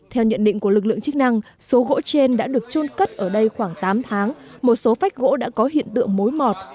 theo nhận định của lực lượng chức năng số gỗ trên đã được trôn cất ở đây khoảng tám tháng một số phách gỗ đã có hiện tượng mối mọt